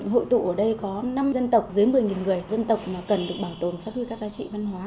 hội tụ ở đây có năm dân tộc dưới một mươi người dân tộc mà cần được bảo tồn phát huy các giá trị văn hóa